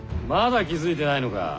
まだ気づいてないのか。